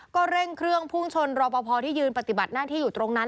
ก็เร่งเครื่องพุ่งชนรอปภที่ยืนปฏิบัติหน้าที่อยู่ตรงนั้น